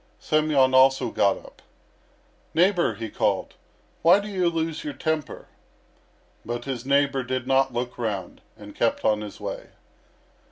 Semyon also got up. "Neighbour," he called, "why do you lose your temper?" But his neighbour did not look round, and kept on his way.